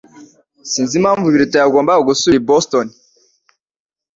Sinzi impamvu Biruta yagombaga gusubira i Boston